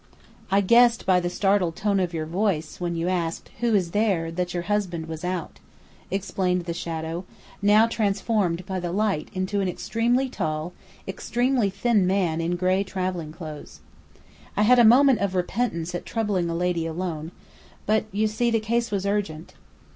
"I guessed by the startled tone of your voice, when you asked, 'Who is there?' that your husband was out," explained the shadow, now transformed by the light into an extremely tall, extremely thin man in gray travelling clothes. "I had a moment of repentance at troubling a lady alone; but, you see, the case was urgent."